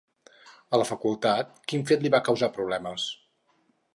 A la facultat, quin fet li va causar problemes?